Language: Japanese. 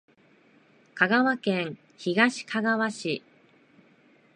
香川県東かがわ市